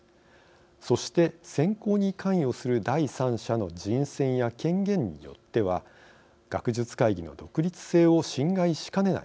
そして、選考に関与する第三者の人選や権限によっては学術会議の独立性を侵害しかねない。